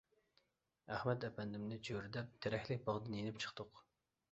ئەخمەت ئەپەندىمنى چۆرىدەپ تېرەكلىك باغدىن يېنىپ چىقتۇق.